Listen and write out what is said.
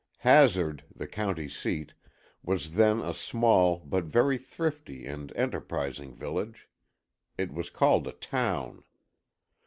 Hazard, the county seat, was then a small, but very thrifty and enterprising village. It was called a town.